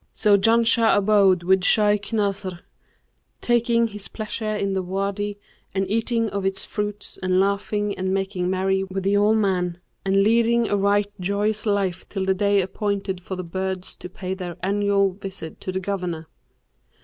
So Janshah abode with Shaykh Nasr, taking his pleasure in the Wady and eating of its fruits and laughing and making merry with the old man, and leading a right joyous life till the day appointed for the birds to pay their annual visit to the Governor.